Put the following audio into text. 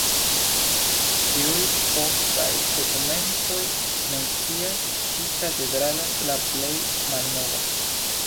Ĉiuj postaj dokumentoj mencias ĉi katedralon la plej malnova.